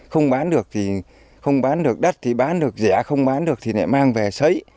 không bán được thì không bán được đất thì bán được dẻ không bán được thì lại mang về xấy